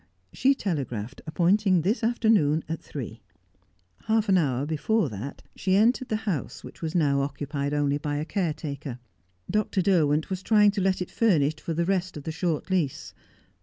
She telegraphed, appointing this afternoon at three. Half an hour before that, she entered the house, which was now occupied only by a caretaker. Dr. Derwent was trying to let it furnished for the rest of the short lease.